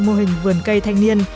mô hình vườn cây thanh niên